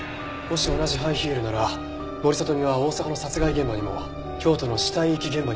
もし同じハイヒールなら森聡美は大阪の殺害現場にも京都の死体遺棄現場にもいた事になります。